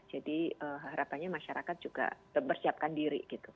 jadi harapannya masyarakat juga bersiapkan diri gitu